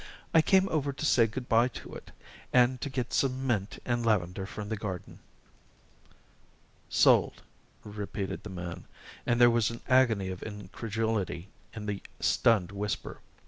I came over to say good by to it, and to get some mint and lavender from the garden." "Sold?" repeated the man, and there was an agony of incredulity in the stunned whisper.